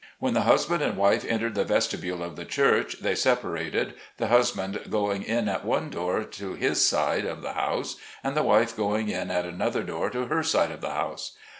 When the husband and wife entered the vestibule of the church, they sep arated, the husband going in at one door to his side of the house, and the wife going in at another door to her side of the house.